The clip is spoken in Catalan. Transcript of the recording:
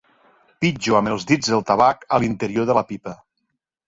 Pitjo amb els dits el tabac a l'interior de la pipa.